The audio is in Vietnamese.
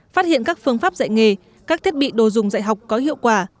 phát hiện các phương pháp dạy nghề các thiết bị đồ dùng dạy học có hiệu quả